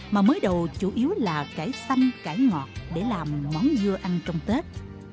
mà mới đầu chủ yếu là cải xanh cải ngọt để làm món dưa ăn trong tết